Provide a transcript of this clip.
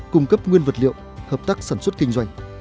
cung cấp nguyên vật liệu hợp tác sản xuất kinh doanh